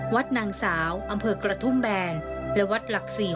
วัดนางสาวอำเภอกระทุ่มแบนและวัดหลักศรี